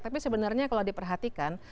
tapi sebenarnya kalau diperhatikan